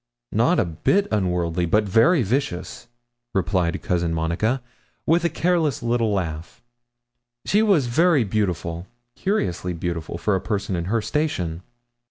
'Not a bit unworldly, but very vicious,' replied Cousin Monica, with a careless little laugh. 'She was very beautiful, curiously beautiful, for a person in her station.